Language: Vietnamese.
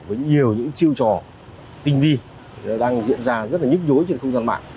với nhiều những chiêu trò tinh vi đang diễn ra rất là nhức nhối trên không gian mạng